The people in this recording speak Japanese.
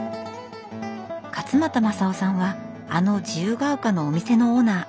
勝又聖雄さんはあの自由が丘のお店のオーナー。